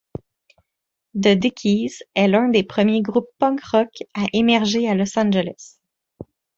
The Dickies est l'un des premiers groupes punk rock à émerger à Los Angeles.